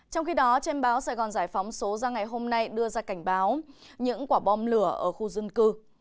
trong khi đó trên báo sài gòn giải phóng số ra ngày hôm nay đưa ra cảnh báo những quả bom lửa ở khu dân cư